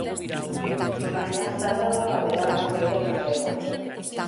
Mañá sábado haberá unha pequena tregua.